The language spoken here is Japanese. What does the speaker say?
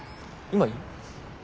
今いい？